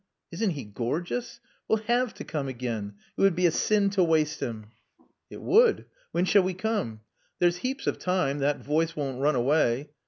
"Isn't he gorgeous? We'll have to come again. It would be a sin to waste him." "It would." "When shall we come?" "There's heaps of time. That voice won't run away."